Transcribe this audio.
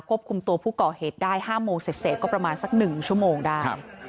คุมตัวผู้ก่อเหตุได้๕โมงเสร็จก็ประมาณสัก๑ชั่วโมงได้